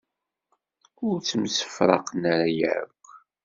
Ur ttemsefraqen ara akk.